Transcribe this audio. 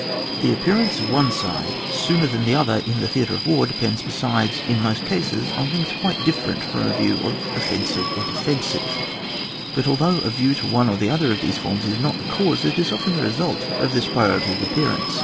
The appearance of one side sooner than CHAP. VI.] EXTENT OF THE MEANS OF DEFENCE. 79 the other in the theatre of war depends, besides, in most cases on things quite different from a view to offensive or de fensive. But although a view to one or other of these forms is not the cause, it is often the result of this priority of appearance.